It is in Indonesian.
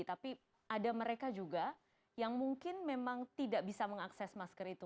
tapi ada mereka juga yang mungkin memang tidak bisa mengakses masker itu